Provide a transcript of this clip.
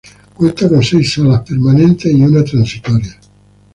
Cuenta con seis salas permanentes y una transitoria.